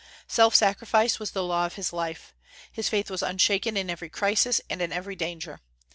Self sacrifice was the law of his life. His faith was unshaken in every crisis and in every danger.